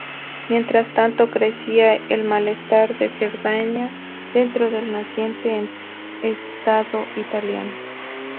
Mientras tanto, crecía el malestar de Cerdeña dentro del naciente estado Italiano.